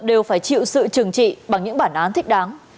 đều phải chịu sự trừng trị bằng những bản án thích đáng